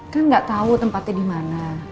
kan gak tau tempatnya dimana